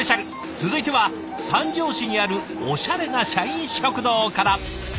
続いては三条市にあるおしゃれな社員食堂から。